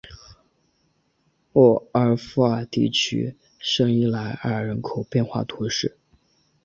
沃埃夫尔地区圣伊莱尔人口变化图示